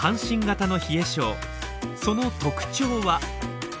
その特徴は？